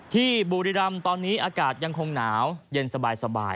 บุรีรำตอนนี้อากาศยังคงหนาวเย็นสบาย